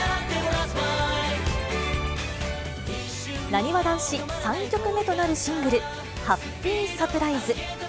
なにわ男子３曲目となるシングル、ハッピーサプライズ。